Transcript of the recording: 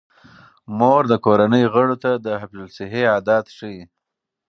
مور د کورنۍ غړو ته د حفظ الصحې عادات ښيي.